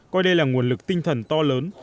coi đây là nguồn lực tinh thần to lớn